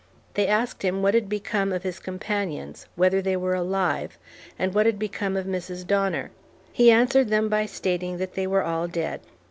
They asked him what had become of his companions; whether they were alive, and what had become of Mrs. Donner. He answered them by stating that they were all dead.